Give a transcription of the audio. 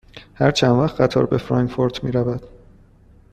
هر چند وقت قطار به فرانکفورت می رود؟